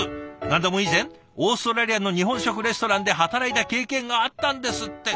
何でも以前オーストラリアの日本食レストランで働いた経験があったんですって。